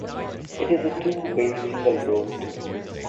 It is a two-way single road.